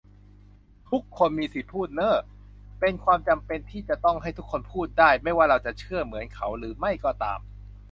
ทุกคนมีสิทธิพูดเน้อ เป็นความจำเป็นที่จะต้องให้ทุกคนพูดได้ ไม่ว่าเราจะเชื่อเหมือนเขาหรือไม่ก็ตาม